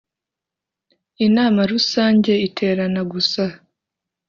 Inama Rusange iterana gusa